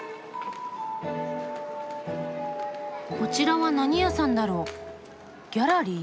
こちらは何屋さんだろう？ギャラリー？